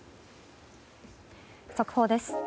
速報です。